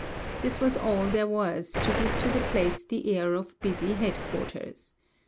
This was all there was to give to the place the air of busy headquarters.